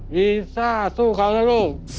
วีซ่าสู้เขานะลูก